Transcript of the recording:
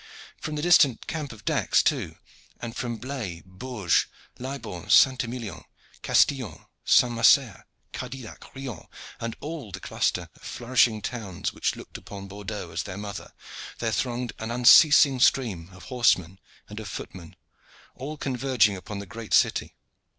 From the distant camp of Dax, too, and from Blaye, Bourge, Libourne, St. Emilion, Castillon, St. Macaire, Cardillac, Ryons, and all the cluster of flourishing towns which look upon Bordeaux as their mother, there thronged an unceasing stream of horsemen and of footmen, all converging upon the great city.